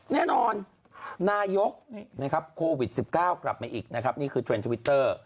แน่นอนนายกโควิด๑๙กลับมาอีกนี่คือเทรนด์ทวิตเตอร์